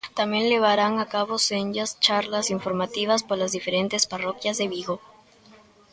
Tamén levarán a cabo senllas charlas informativas polas diferentes parroquias de Vigo.